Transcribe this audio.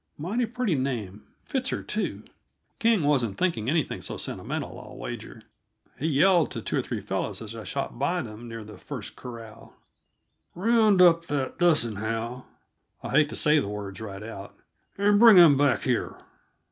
Mighty pretty name, and fits her, too." King wasn't thinking anything so sentimental, I'll wager. He yelled to two or three fellows, as I shot by them near the first corral: "Round up that thus and how" I hate to say the words right out "and bring him back here!"